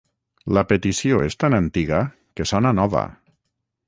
la petició és tan antiga que sona nova